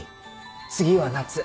次は夏。